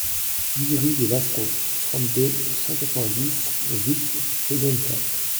huit rue des Wascons, trente-deux, cent quatre-vingt-dix à Vic-Fezensac